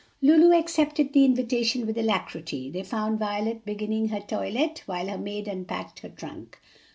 Lulu accepted the invitation with alacrity. They found Violet beginning her toilet while her maid unpacked her trunk.